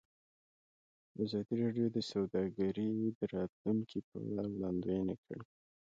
ازادي راډیو د سوداګري د راتلونکې په اړه وړاندوینې کړې.